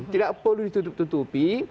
tidak perlu ditutup tutupi